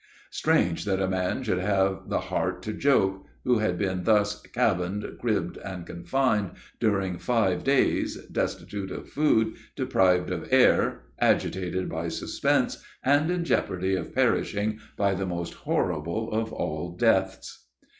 Strange that a man should have the heart to joke, who had been thus "cabin'd, cribb'd, confin'd," during five days, destitute of food, deprived of air, agitated by suspense, and in jeopardy of perishing by the most horrible of all deaths!